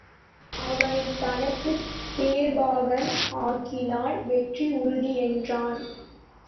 அவனைத் தனக்குத் தேர்ப்பாகன் ஆக்கினால் வெற்றி உறுதி என்றான்.